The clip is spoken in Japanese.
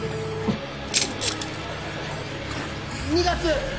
２月！